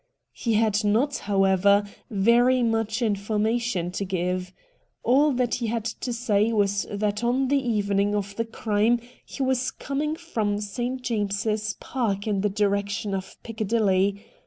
He had not, however, very much information to give. All that he had to say was that on the evening of the crime he was coming from St. James's Park in the direction of Piccadilly.